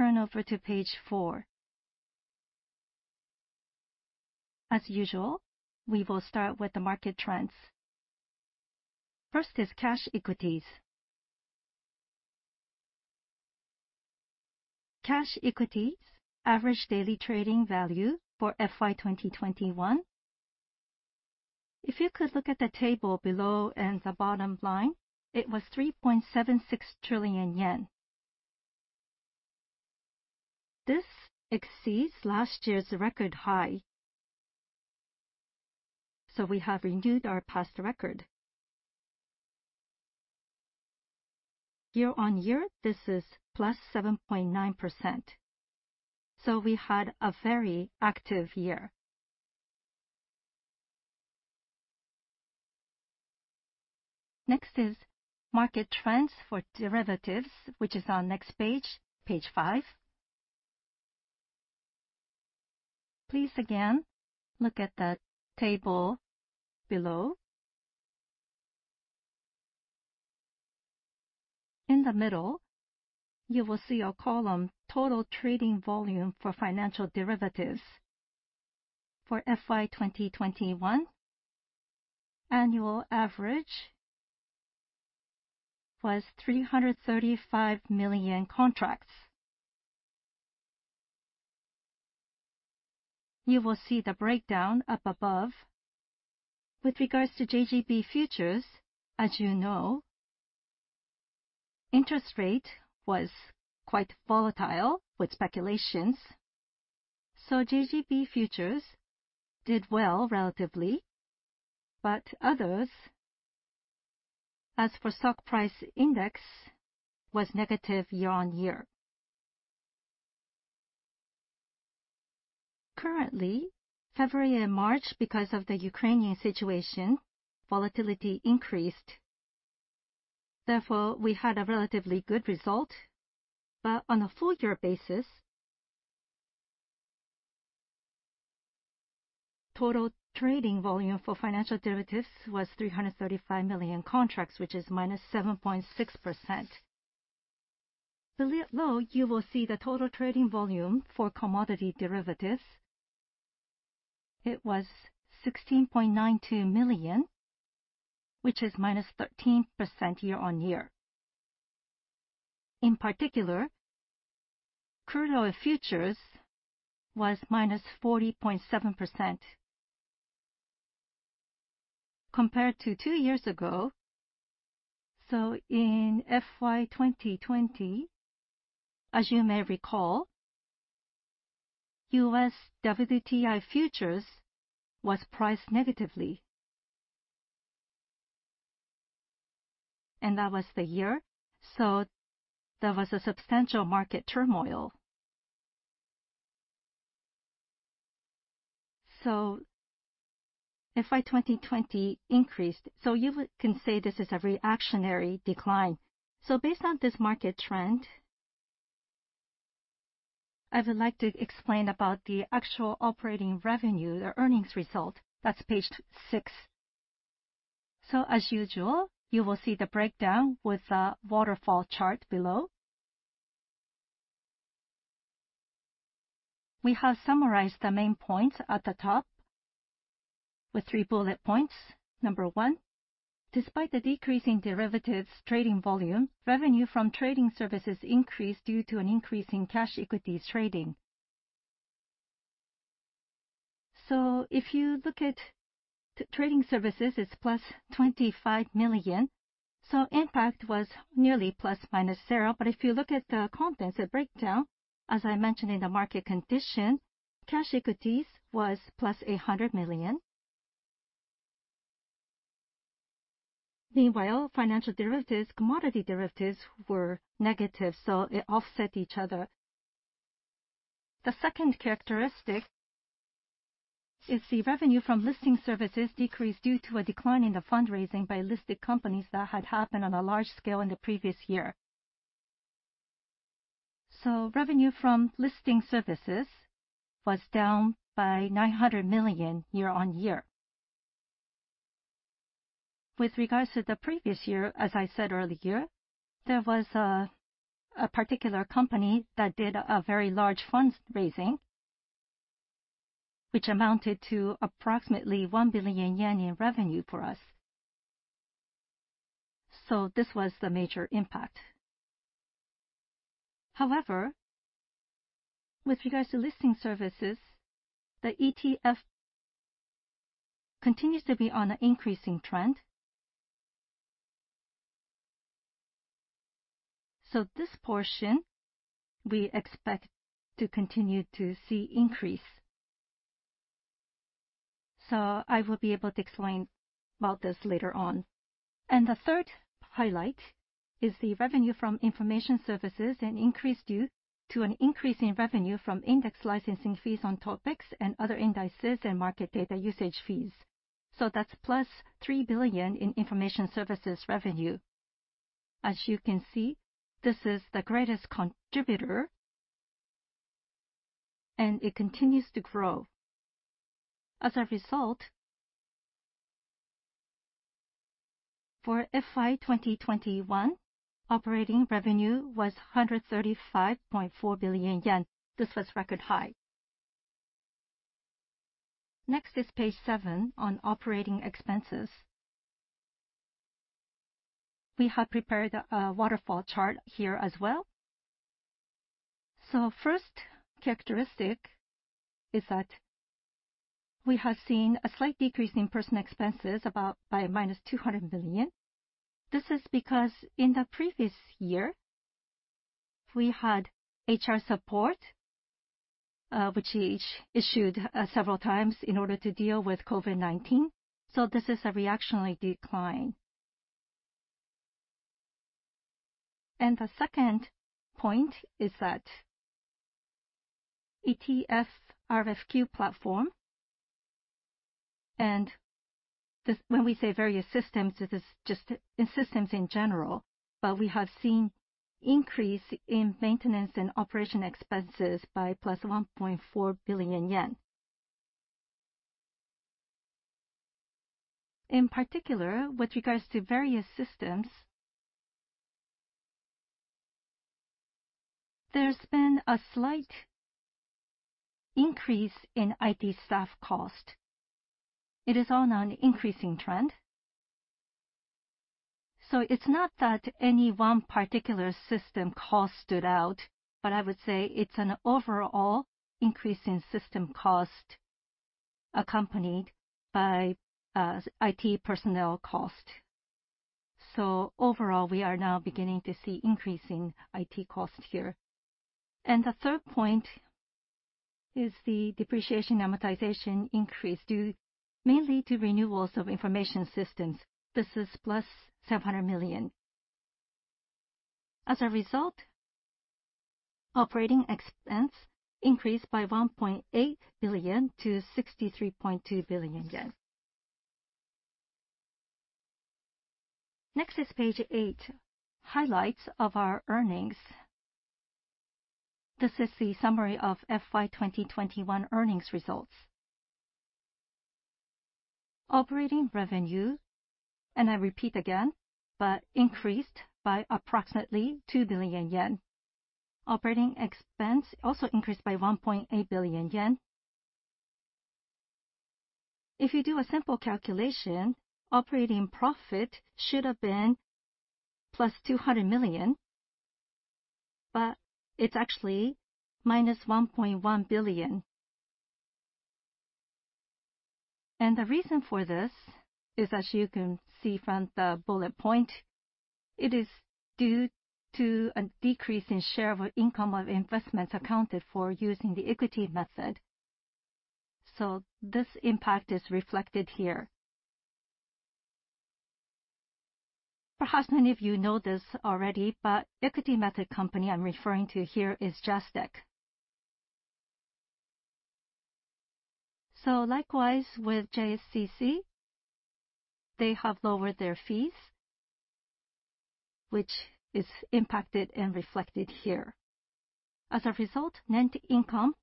Please turn over to page four. As usual, we will start with the market trends. First is cash equities. Cash equities average daily trading value for FY 2021. If you could look at the table below and the bottom line, it was 3.76 trillion yen. This exceeds last year's record high, so we have renewed our past record. Year-on-year, this is +7.9%. We had a very active year. Next is market trends for derivatives, which is our next page five. Please again, look at the table below. In the middle, you will see a column Total Trading Volume for Financial Derivatives. For FY 2021, annual average was 335 million contracts. You will see the breakdown up above. With regards to JGB futures, as you know, interest rate was quite volatile with speculations. JGB futures did well relatively, but others, as for stock price index, was negative year-on-year. Currently, February and March, because of the Ukrainian situation, volatility increased. Therefore, we had a relatively good result, but on a full year basis, Total Trading Volume for Financial Derivatives was 335 million contracts, which is -7.6%. Below, you will see the Total Trading Volume for Commodity Derivatives. It was 16.92 million, which is -13% year-on-year. In particular, crude oil futures was -40.7% compared to two years ago. In FY 2020, as you may recall, U.S. WTI futures was priced negatively. That was the year, so there was a substantial market turmoil. FY 2020 increased. You can say this is a reactionary decline. Based on this market trend, I would like to explain about the actual operating revenue, the earnings result. That's page six. As usual, you will see the breakdown with a waterfall chart below. We have summarized the main points at the top with three bullet points. Number one, despite the decrease in derivatives trading volume, revenue from trading services increased due to an increase in cash equities trading. If you look at trading services, it's +25 million, so impact was nearly ±zero. If you look at the contents, the breakdown, as I mentioned in the market condition, cash equities was +JPY 100 million. Meanwhile, financial derivatives, commodity derivatives were negative, so it offset each other. The second characteristic is the revenue from listing services decreased due to a decline in the fundraising by listed companies that had happened on a large scale in the previous year. Revenue from listing services was down by JPY 900 million year-on-year. With regards to the previous year, as I said earlier, there was a particular company that did a very large fundraising, which amounted to approximately 1 billion yen in revenue for us. This was the major impact. However, with regards to listing services, the ETF continues to be on an increasing trend. This portion, we expect to continue to see increase. I will be able to explain about this later on. The third highlight is the revenue from information services, an increase due to an increase in revenue from index licensing fees on TOPIX and other indices and market data usage fees. That's +3 billion in information services revenue. As you can see, this is the greatest contributor, and it continues to grow. As a result, for FY 2021, operating revenue was 135.4 billion yen. This was record high. Next is page seven on operating expenses. We have prepared a waterfall chart here as well. First characteristic is that we have seen a slight decrease in personnel expenses of about -200 million. This is because in the previous year, we had HR support, which issued, several times in order to deal with COVID-19. This is a reactionary decline. The second point is that CONNEQTOR RFQ platform and this when we say various systems, this is just in systems in general, but we have seen increase in maintenance and operation expenses by plus 1.4 billion yen. In particular, with regards to various systems, there's been a slight increase in IT staff cost. It is on an increasing trend. It's not that any one particular system cost stood out, but I would say it's an overall increase in system cost accompanied by IT personnel cost. Overall, we are now beginning to see increasing IT costs here. The third point is the depreciation amortization increase due mainly to renewals of information systems. This is +700 million. As a result, operating expense increased by 1.8 billion to 63.2 billion yen. Next is page eight, highlights of our earnings. This is the summary of FY 2021 earnings results. Operating revenue, and I repeat again, but increased by approximately 2 billion yen. Operating expense also increased by 1.8 billion yen. If you do a simple calculation, operating profit should have been +200 million, but it's actually -1.1 billion. The reason for this is, as you can see from the bullet point, it is due to a decrease in share of income of investments accounted for using the equity method. This impact is reflected here. Perhaps many of you know this already, but equity method company I'm referring to here is JASDEC. Likewise with JSCC, they have lowered their fees, which is impacted and reflected here. As a result, net income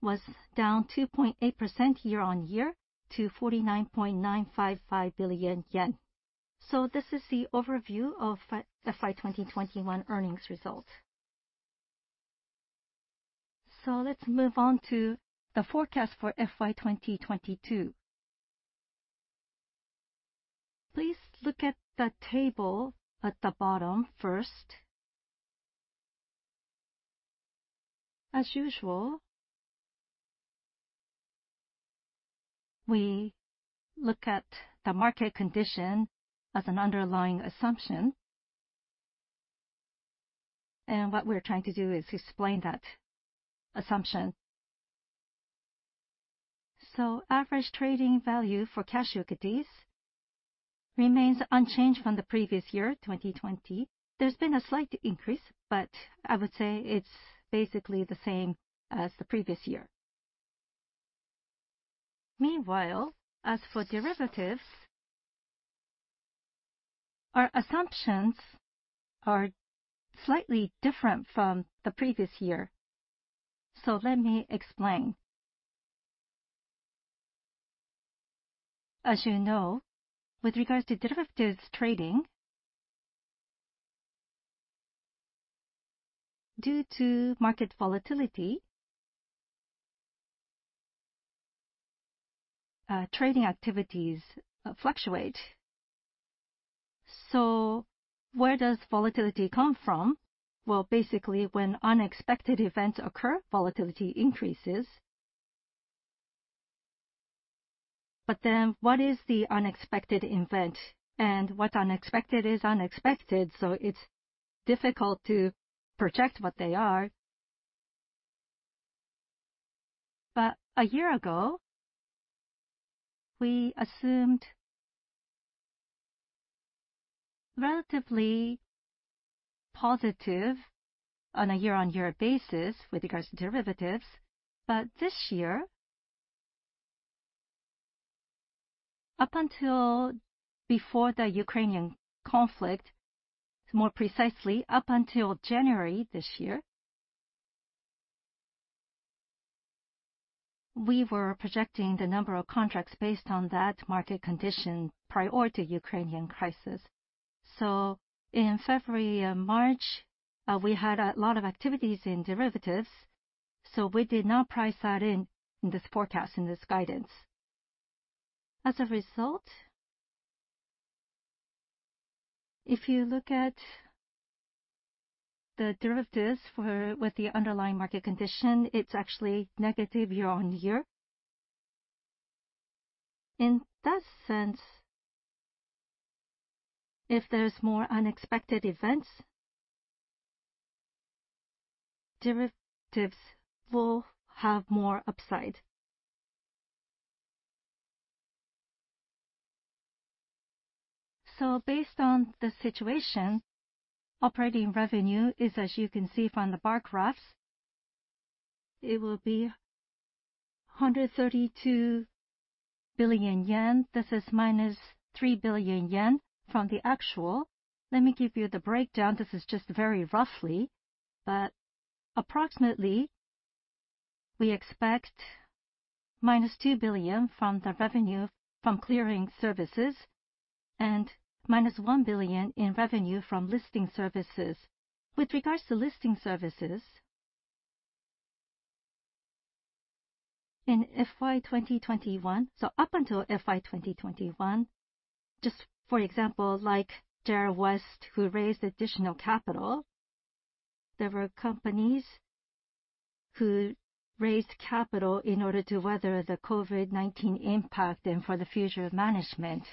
was down 2.8% year-over-year to 49.955 billion yen. This is the overview of FY 2021 earnings result. Let's move on to the forecast for FY 2022. Please look at the table at the bottom first. As usual, we look at the market condition as an underlying assumption. What we're trying to do is explain that assumption. Average trading value for cash equities remains unchanged from the previous year, 2020. There's been a slight increase, but I would say it's basically the same as the previous year. Meanwhile, as for derivatives, our assumptions are slightly different from the previous year. Let me explain. As you know, with regards to derivatives trading, due to market volatility, trading activities fluctuate. Where does volatility come from? Well, basically, when unexpected events occur, volatility increases. What is the unexpected event? What's unexpected is unexpected, so it's difficult to project what they are. A year ago, we assumed relatively positive on a year-on-year basis with regards to derivatives. This year, up until before the Ukrainian conflict, more precisely up until January this year. We were projecting the number of contracts based on that market condition prior to Ukrainian crisis. In February and March, we had a lot of activities in derivatives, so we did not price that in this forecast, in this guidance. As a result, if you look at the derivatives with the underlying market condition, it's actually negative year-on-year. In that sense, if there's more unexpected events, derivatives will have more upside. Based on the situation, operating revenue is, as you can see from the bar graphs, it will be 132 billion yen. This is -3 billion yen from the actual. Let me give you the breakdown. This is just very roughly, but approximately, we expect -2 billion from the revenue from clearing services and -1 billion in revenue from listing services. With regards to listing services, in FY 2021. Up until FY 2021, just for example, like JR West who raised additional capital, there were companies who raised capital in order to weather the COVID-19 impact and for the future management.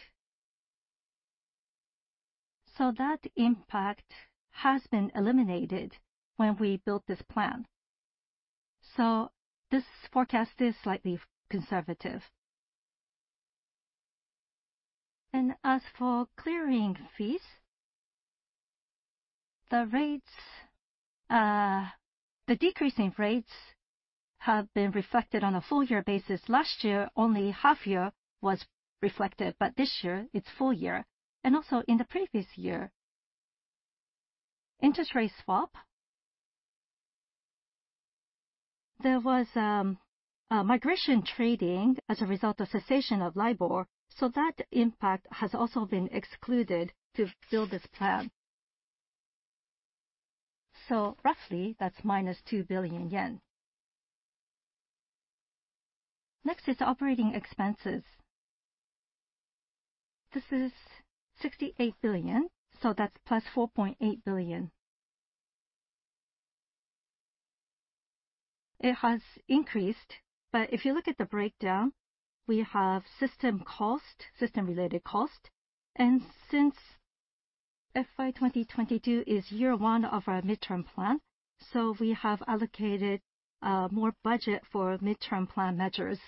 That impact has been eliminated when we built this plan. This forecast is slightly conservative. As for clearing fees, the rates, the decrease in rates have been reflected on a full year basis. Last year, only half year was reflected, but this year it's full year. Also in the previous year, interest rate swap, there was migration trading as a result of cessation of LIBOR. That impact has also been excluded to build this plan. Roughly, that's -JPY 2 billion. Next is operating expenses. This is 68 billion, so that's +4.8 billion. It has increased, but if you look at the breakdown, we have system cost, system-related cost. Since FY 2022 is year one of our midterm plan, we have allocated more budget for midterm plan measures.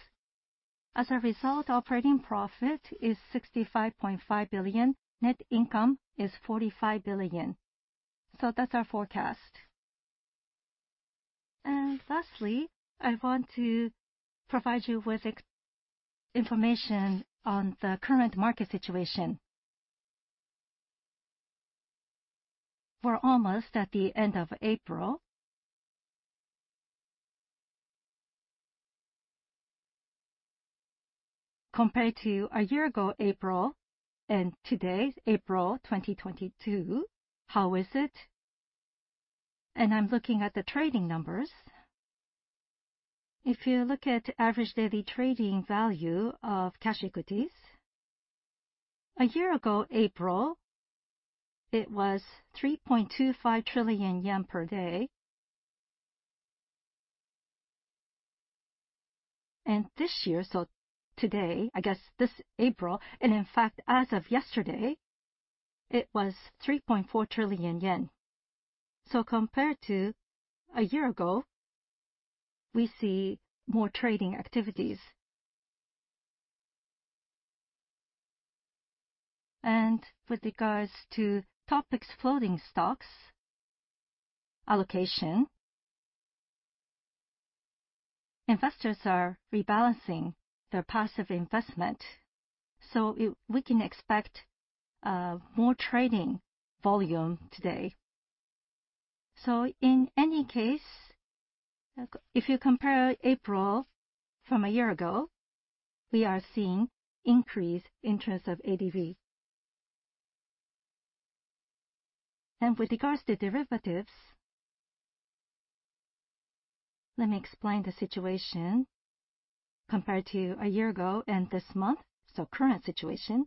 As a result, operating profit is 65.5 billion. Net income is 45 billion. That's our forecast. Lastly, I want to provide you with extra information on the current market situation. We're almost at the end of April. Compared to a year ago, April, and today, April 2022, how is it? I'm looking at the trading numbers. If you look at average daily trading value of cash equities, April a year ago, it was 3.25 trillion yen per day. This year, so today, I guess this April, and in fact as of yesterday, it was 3.4 trillion yen. Compared to a year ago, we see more trading activities. With regards to TOPIX floating stock adjustment, investors are rebalancing their passive investment, so we can expect more trading volume today. In any case, if you compare April from a year ago, we are seeing increase in terms of ADV. With regards to derivatives, let me explain the situation compared to a year ago and this month, so current situation.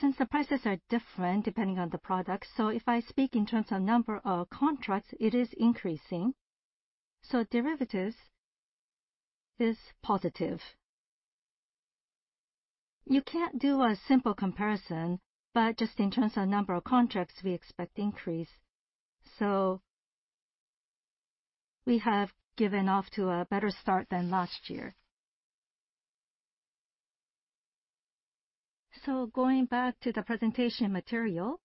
Since the prices are different depending on the product, if I speak in terms of number of contracts, it is increasing. Derivatives is positive. You can't do a simple comparison, but just in terms of number of contracts, we expect increase. We have gotten off to a better start than last year. Going back to the presentation material,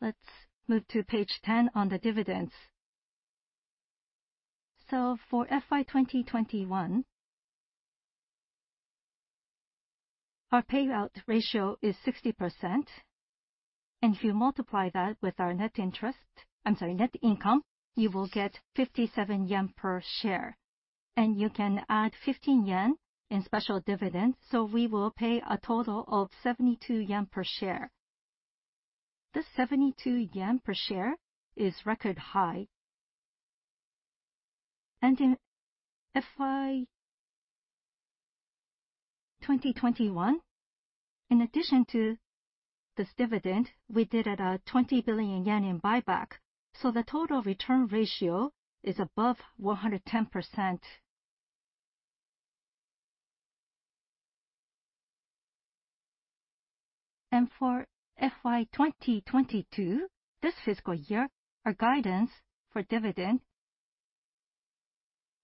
let's move to page 10 on the dividends. For FY 2021, our payout ratio is 60%. If you multiply that with our net income, you will get 57 yen per share. You can add 15 yen in special dividends, so we will pay a total of 72 yen per share. The 72 yen per share is record high. In FY 2021, in addition to this dividend, we did 20 billion yen in buyback. The total return ratio is above 110%. For FY 2022, this fiscal year, our guidance for dividend,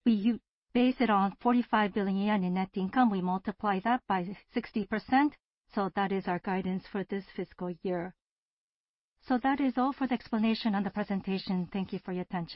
we base it on 45 billion yen in net income. We multiply that by 60%, that is our guidance for this fiscal year. That is all for the explanation and the presentation. Thank you for your attention.